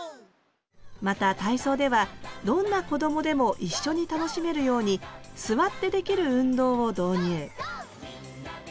また体操ではどんなこどもでも一緒に楽しめるように座ってできる運動を導入